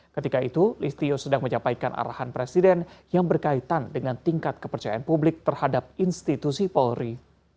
ketika itu listio sedang menyampaikan arahan presiden yang berkaitan dengan tingkat kepercayaan publik terhadap institusi polri